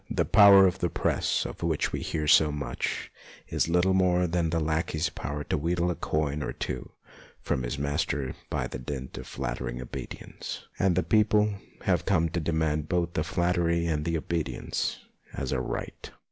The power of the Press, of which we hear so much, is little more than the lackey's power \io wheedle a coin or two from his master by dint of flattering obedience ; and the people have come to demand both the flattery and the obedience as a right.